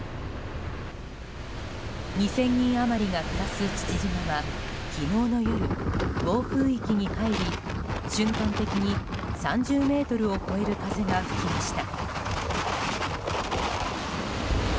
２０００人余りが暮らす父島は昨日の夜暴風域に入り瞬間的に３０メートルを超える風が吹きました。